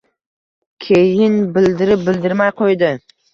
Keyin bildirib-bildirmay qo’ydi.